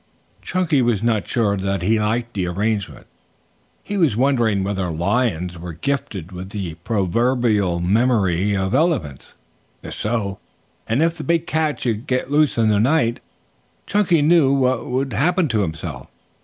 Chunky was not sure that he liked the arrangement. He was wondering whether lions were gifted with the proverbial memory of elephants. If so, and if the big cat should get loose in the night, Chunky knew what would happen to himself.